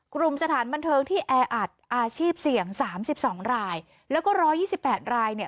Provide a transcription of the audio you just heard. สถานบันเทิงที่แออัดอาชีพเสี่ยงสามสิบสองรายแล้วก็ร้อยยี่สิบแปดรายเนี่ย